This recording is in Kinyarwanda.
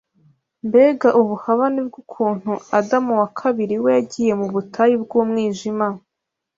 Mbega ubuhabane bw’ukuntu Adamu wa kabiri we yagiye mu butayu bw’umwijima